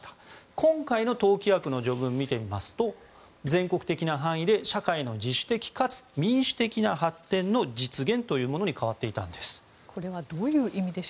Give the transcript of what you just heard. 今回の党規約の序文は全国的な範囲で社会の自主的かつ民主的な発展の実現というものに変わっていたんです。